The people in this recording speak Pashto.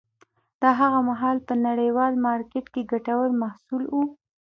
دا هغه مهال په نړیوال مارکېت کې ګټور محصول و.